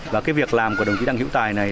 và cái việc làm của đồng chí đăng hữu tài này